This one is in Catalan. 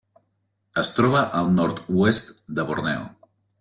Es troba al nord-oest de Borneo.